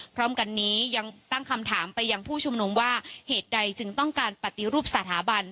พร้อมกันนี้ยังตั้งคำถามไปยังผู้ชุมนุมว่าเหตุใดจึงต้องการปฏิรูปสถาบัน